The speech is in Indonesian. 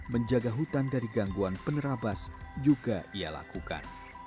menjaga hutan dari gangguan penerabas juga ia lakukan